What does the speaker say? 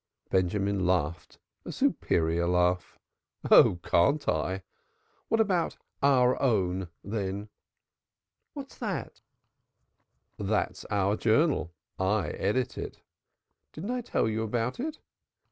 Benjamin laughed a superior laugh, "Oh, can't I? What about Our Own, eh?" "What's that?" "That's our journal. I edit it. Didn't I tell you about it?